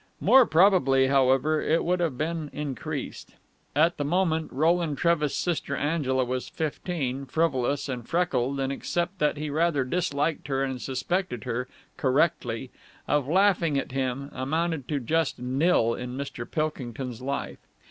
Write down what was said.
More probably, however, it would have been increased. At the moment, Roland Trevis' sister Angela was fifteen, frivolous, and freckled and, except that he rather disliked her and suspected her correctly of laughing at him, amounted to just nil in Mr. Pilkington's life.